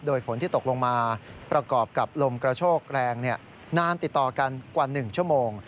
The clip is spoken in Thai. โดยฝนที่ตกลงมาประกอบกับลมกระโชกแรงนานติดต่อกันกว่า๑ชั่วโมง